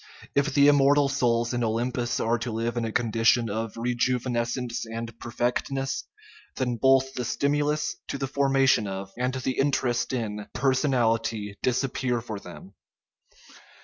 If the immortal souls in Olympus are to live in a condition of rejuvenescence and perfectness, then both the stimulus to the formation of, and the interest in, personality disappear for them.